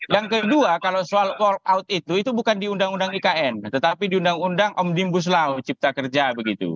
yang kedua kalau soal wall out itu itu bukan di undang undang ikn tetapi di undang undang omnibus law cipta kerja begitu